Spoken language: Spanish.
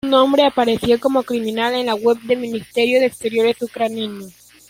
Su nombre apareció como criminal en la web del ministerio de exteriores ucraniano.